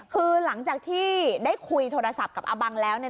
คือหลังจากที่ได้คุยโทรศัพท์กับอาบังแล้วเนี่ย